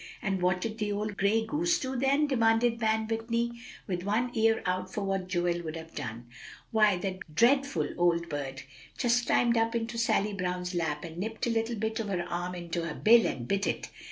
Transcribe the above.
"And what did the old gray goose do then?" demanded Van Whitney, with one ear out for what Joel would have done. "Why, that dreadful old bird just climbed up into Sally Brown's lap, and nipped a little bit of her arm into her bill, and bit it.